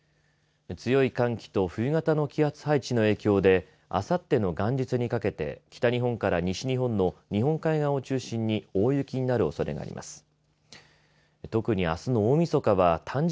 強い寒気と冬型の気圧配置の影響であさっての元日にかけて北日本から西日本の日本海側を中心に大雪になるおそれがあります。